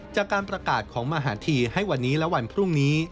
จากการประกาศของมหาธีให้วันนี้และวันพรุ่งนี้